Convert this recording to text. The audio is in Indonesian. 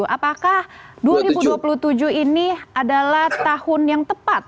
apakah dua ribu dua puluh tujuh ini adalah tahun yang tepat